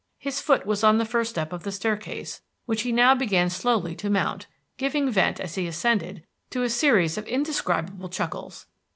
His foot was on the first step of the staircase, which he now began slowly to mount, giving vent, as he ascended, to a series of indescribable chuckles.